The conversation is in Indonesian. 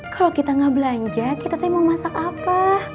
kalau kita nggak belanja kita mau masak apa